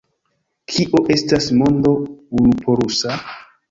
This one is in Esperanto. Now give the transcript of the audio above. Kio estas mondo unupolusa?